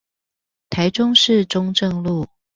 台中市中正路